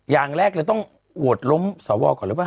อย่างแรกเลยต้องโหวตล้มสวก่อนหรือเปล่า